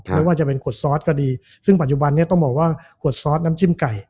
ไม่ว่าจะเป็นขวดซอสก็ดีซึ่งปัจจุบันนี้ต้องบอกว่าขวดซอสน้ำจิ้มไก่